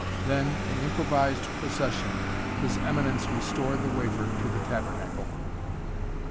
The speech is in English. Then in improvised procession, His Eminence restored the wafer to the tabernacle.